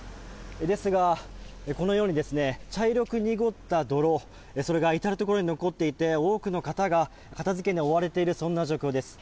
ですが、このように茶色く濁った泥それが至る所に残っていて多くの方が片付けに追われている状況です。